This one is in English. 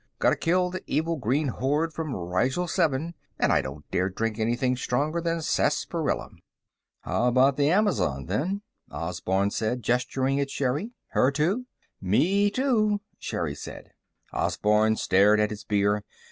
Gotta kill the evil green horde from Rigel Seven, and I don't dare drink anything stronger than sarsaparilla." "How about the amazon, then?" Osborne said, gesturing at Sherri. "Her too?" "Me too," Sherri said. Osborne stared at his beer.